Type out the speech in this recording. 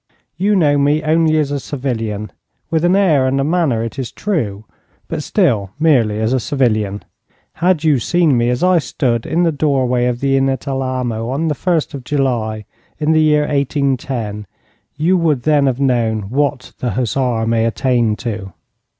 You know me only as a civilian with an air and a manner, it is true but still merely as a civilian. Had you seen me as I stood in the doorway of the inn at Alamo, on the 1st of July, in the year 1810, you would then have known what the hussar may attain to.